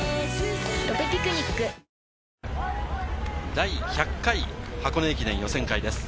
第１００回箱根駅伝予選会です。